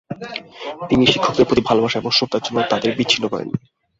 তিনি শিক্ষকের প্রতি ভালবাসা এবং শ্রদ্ধার জন্য তাদের বিচ্ছিন্ন করেননি।